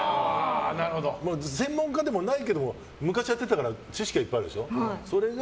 専門家でもないけど昔やってたから知識はあるでしょ。